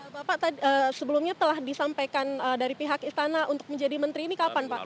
bapak sebelumnya telah disampaikan dari pihak istana untuk menjadi menteri ini kapan pak